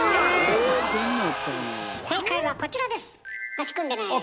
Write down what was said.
正解はこちらです。